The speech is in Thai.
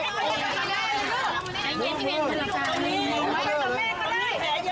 แฟรกายอธิบาย